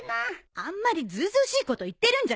あんまりずうずうしいこと言ってるんじゃないわよ！